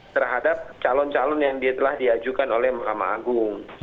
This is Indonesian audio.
terhadap calon calon yang telah diajukan oleh mahkamah agung